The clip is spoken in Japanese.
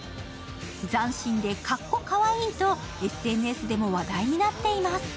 斬新でかっこかわいいとＳＮＳでも話題になっています。